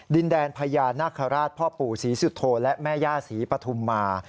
ดินแดนพญานาคาราชพ่อปู่ศรีสุโธและแม่ย่าศรีปฐุมมา